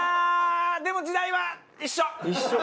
でも時代は一緒！